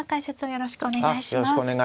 よろしくお願いします。